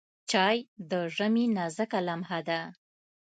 چای د ژمي نازکه لمحه ده.